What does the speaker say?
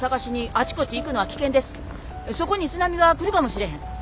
そこに津波が来るかもしれへん。